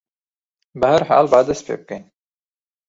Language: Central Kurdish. بەهەرحاڵ با دەست پێ بکەین.